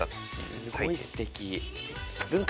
すごいすてき。